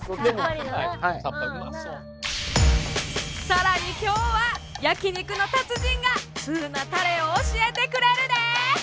更に今日は焼き肉の達人が通なタレを教えてくれるで。